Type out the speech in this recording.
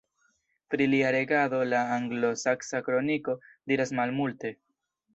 Pri lia regado la Anglosaksa Kroniko diras malmulte.